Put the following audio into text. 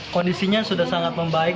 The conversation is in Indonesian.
kondisinya sudah sangat membaik